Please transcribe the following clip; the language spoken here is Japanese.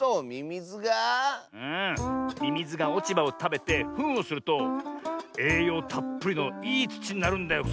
ミミズがおちばをたべてフンをするとえいようたっぷりのいいつちになるんだよ